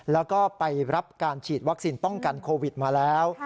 แล้วก็ไปรับการฉีดวัคซีนป้องกันโควิดมาแล้ว